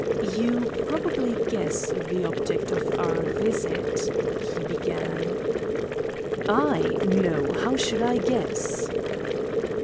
"You probably guess the object of our visit?" he began. "I? No. How should I guess?"